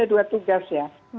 ada dua tugas ya